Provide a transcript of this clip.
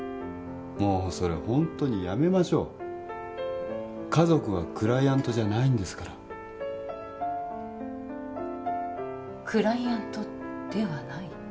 もうそれホントにやめましょう家族はクライアントじゃないんですからクライアントではない？